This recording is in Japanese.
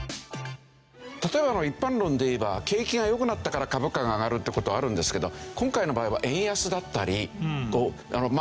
例えば一般論でいえば景気が良くなったから株価が上がるって事はあるんですけど今回の場合は円安だったりま